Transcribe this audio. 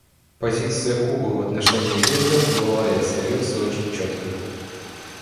Позиция Кубы в отношении вето была и остается очень четкой.